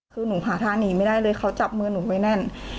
คือหนูหาทางหนีไม่ได้เลยเขาจับมือหนูไว้แน่น